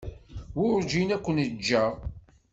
Werǧin ad ken-ǧǧeɣ.